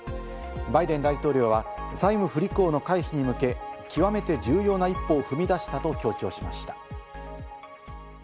バイデン大統領は債務不履行の回避に向け、極めて重要な一歩を踏み出したと強調しました。